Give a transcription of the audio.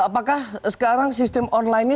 apakah sekarang sistem online ini